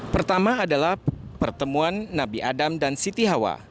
pertama adalah pertemuan nabi adam dan siti hawa